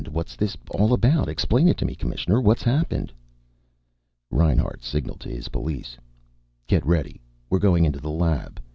What's this all about? Explain it to me, Commissioner. What's happened?" Reinhart signalled to his police. "Get ready. We're going into the lab.